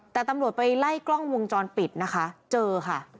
แต่ตำรวจไปไล่กล้องวงจรปิดนะคะเจอค่ะ